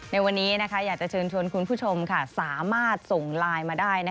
ในวันนี้อยากจะเชิญชวนคุณผู้ชมสามารถส่งไลน์มาได้